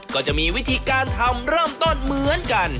ก็จะมีวิธีการทำเริ่มต้นเหมือนกัน